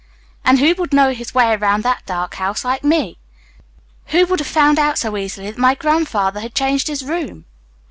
And who would know his way around that dark house like me? Who would have found out so easily that my grandfather had changed his room?"